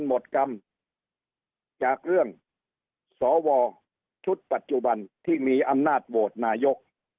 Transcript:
หมดกรรมจากเรื่องสวชุดปัจจุบันที่มีอำนาจโหวตนายก